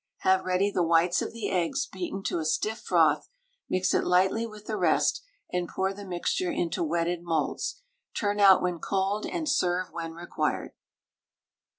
Have ready the whites of the eggs beaten to a stiff froth, mix it lightly with the rest, and pour the mixture into wetted moulds. Turn out when cold and serve when required.